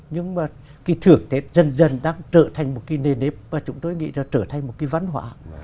nhưng mà cái thưởng tết dần dần đang trở thành một cái nền nếp và chúng tôi nghĩ là trở thành một cái văn hóa